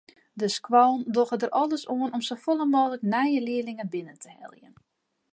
De skoallen dogge der alles oan om safolle mooglik nije learlingen binnen te heljen.